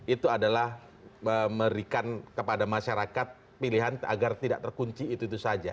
itu adalah memberikan kepada masyarakat pilihan agar tidak terkunci itu itu saja